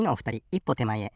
いっぽてまえへ。